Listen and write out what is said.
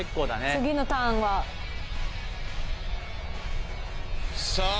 次のターンは。さあ！